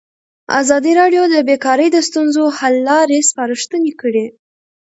ازادي راډیو د بیکاري د ستونزو حل لارې سپارښتنې کړي.